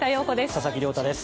佐々木亮太です。